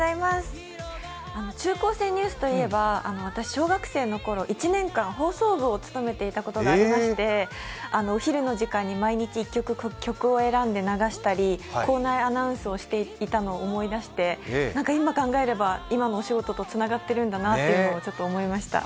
「中高生ニュース」といえば、私、小学校の頃、１年間、放送部を務めていたことがありましてお昼の時間に毎日、１曲、曲を選んで流したり校内アナウンスをしていたりしたのを思い出して、今考えれば、今のお仕事とつながっているんだなと、ちょっと思いました。